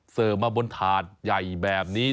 เสิร์ฟมาบนถาดใหญ่แบบนี้